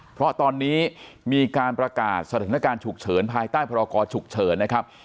เพราะตอนนี้มีการประกาศสถานการณ์ฉุกเฉินภายใต้พรกรฉุกเฉินนะครับ